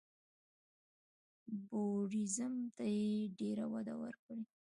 ټوریزم ته یې ډېره وده ورکړې.